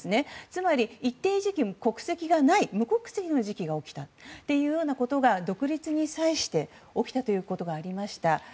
つまり一定時期、国籍がない無国籍の時期が起きたということが独立に際して起きたということがありました。